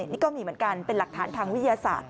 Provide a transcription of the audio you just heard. นี่ก็มีเหมือนกันเป็นหลักฐานทางวิทยาศาสตร์